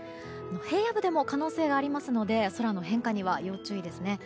平野部でも可能性がありますので空の変化には要注意ですね。